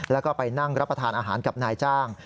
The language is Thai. แล้วก็ไปนั่งรับประทานอาหารกับนายจ้าง